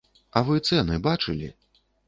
А вы цэны бачылі?